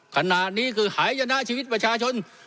ขณะนี้คือหายชนะชีวิตประชาชน